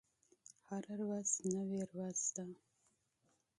هره ورځ نوې ورځ ده